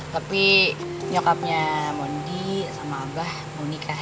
tapi nyokapnya mondi sama abah mau nikah